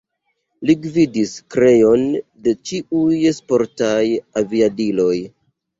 Li gvidis kreon de ĉiuj sportaj aviadiloj.